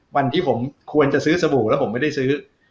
วันที่ผมควรจะซื้อสบู่แล้วผมไม่ได้ซื้อ